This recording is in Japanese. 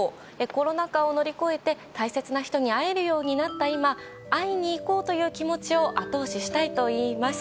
コロナ禍を乗り越えて大切な人に会えるようになった今会いに行こうという気持ちを後押ししたいといいます。